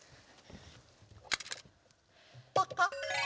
パカッ。